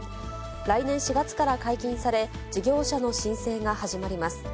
来年４月から解禁され、事業者の申請が始まります。